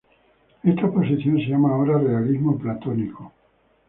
Esta posición se llama ahora realismo platónico.